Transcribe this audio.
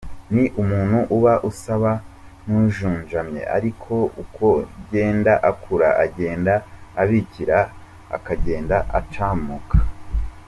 Ni umuntu uba usaba n’ujunjamye ariko uko genda akura agenda abikira akagenda acamuka.